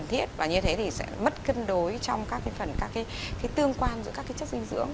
cần thiết và như thế thì sẽ mất cân đối trong các phần các cái tương quan giữa các chất dinh dưỡng